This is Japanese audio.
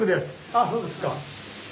あそうですか。